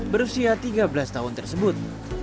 berusia tiga belas tahun tersebut